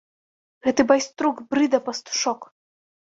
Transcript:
Гэты байструк, брыда, пастушок!